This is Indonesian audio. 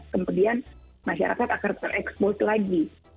kemudian masyarakat akan terekspos lagi